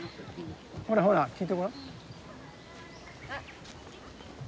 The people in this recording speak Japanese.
ほらほら聞いてごらん。